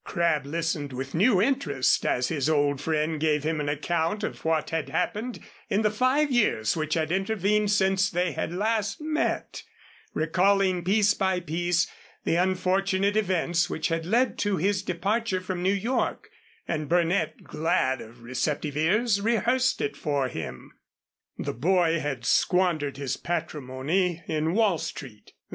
Crabb listened with new interest as his old friend gave him an account of what had happened in the five years which had intervened since they had last met, recalling piece by piece the unfortunate events which had led to his departure from New York, and Burnett, glad of receptive ears, rehearsed it for him. The boy had squandered his patrimony in Wall Street.